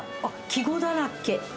季語だらけ。